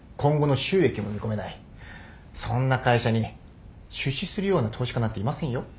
そんな会社に出資するような投資家なんていませんよ。